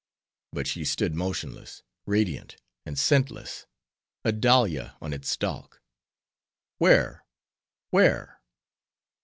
But she stood motionless; radiant, and scentless: a dahlia on its stalk. "Where? Where?"